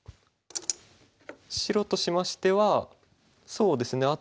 白としましてはそうですね